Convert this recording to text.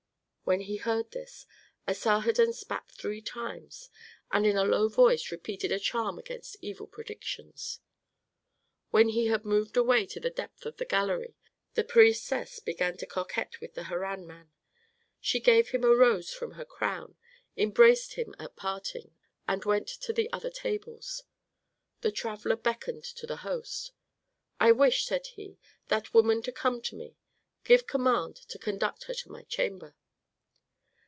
When he heard this, Asarhadon spat three times, and in a low voice repeated a charm against evil predictions. When he had moved away to the depth of the gallery, the priestess began to coquet with the Harran man. She gave him a rose from her crown, embraced him at parting, and went to the other tables. The traveller beckoned to the host. "I wish," said he, "that woman to come to me. Give command to conduct her to my chamber."